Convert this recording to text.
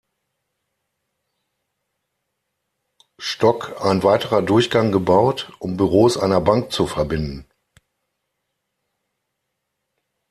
Stock ein weiterer Durchgang gebaut, um Büros einer Bank zu verbinden.